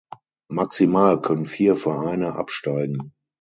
Maximal können vier Vereine absteigen.